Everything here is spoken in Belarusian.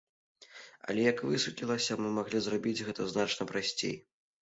Але, як высветлілася, мы маглі зрабіць гэта значна прасцей.